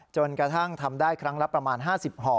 จนกระทั่งทำได้ครั้งละประมาณ๕๐ห่อ